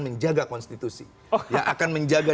menjaga konstitusi yang akan menjaga